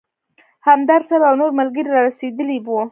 همدرد صیب او نور ملګري رارسېدلي وو.